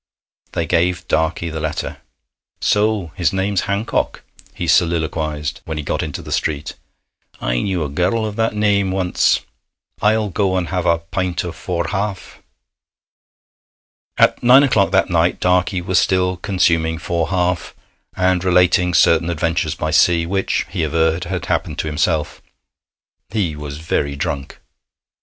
They gave Darkey the letter. 'So his name's Hancock,' he soliloquized, when he got into the street. 'I knew a girl of that name once. I'll go and have a pint of four half.' At nine o'clock that night Darkey was still consuming four half, and relating certain adventures by sea which, he averred, had happened to himself. He was very drunk.